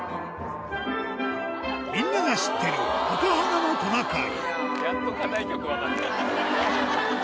みんなが知ってる赤鼻のトナカイ。